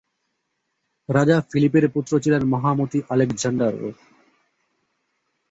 রাজা ফিলিপের পুত্র ছিলেন মহামতি আলেকজান্ডার।